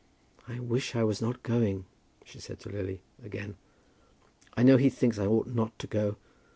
"I wish I was not going," she said to Lily, again. "I know he thinks I ought not to go.